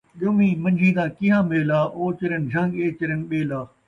ڳن٘ویں من٘جھیں دا کیہاں میلا ، او چرِن جھنگ ، اے چرِن ٻیلا